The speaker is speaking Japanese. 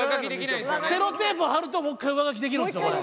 セロテープを貼るともう１回上書きできるんですよこれ。